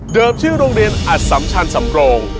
เดิมชื่อโรงเรียนอสัมชันสำโครง